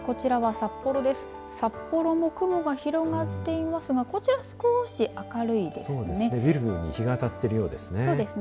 札幌も雲が広がっていますがこちら、少し明るいですね。